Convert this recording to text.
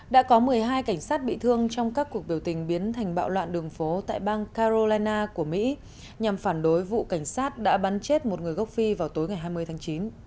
đã có một mươi hai cảnh sát bị thương trong các cuộc biểu tình biến thành bạo loạn đường phố tại bang carolina của mỹ nhằm phản đối vụ cảnh sát đã bắn chết một người gốc phi vào tối ngày hai mươi tháng chín